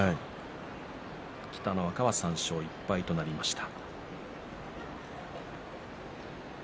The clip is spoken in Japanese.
北の若は３勝１敗となりました。